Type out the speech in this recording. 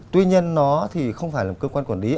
tuy nhiên nó thì không phải là một cơ quan quản lý